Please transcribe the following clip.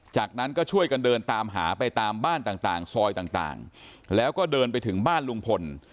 จากนั้นก็ช่วยกันเดินตามหาไปตามบ้านต่างซอยต่างแล้วก็เดินไปถึงบ้านลุงพล